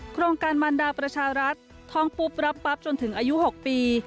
โครงการมันดาประชารัฐท้องปุ๊บรับปั๊บจนถึงอายุ๖ปี